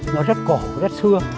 nó rất cổ rất xưa